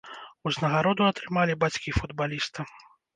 Узнагароду атрымалі бацькі футбаліста.